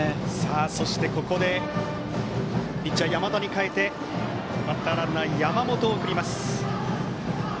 そして、ここでピッチャーの山田に代えてバッターランナーに山本を送ります。